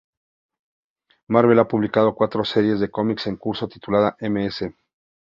Marvel ha publicado cuatro series de cómics en curso tituladas "Ms.